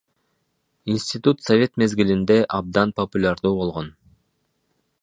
Институт совет мезгилинде абдан популярдуу болгон.